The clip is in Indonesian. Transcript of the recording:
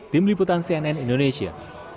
tim liputan cnn indonesia